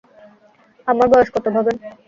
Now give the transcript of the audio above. আমার বয়স কত ভাবেন?